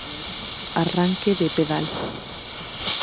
Arranque de pedal.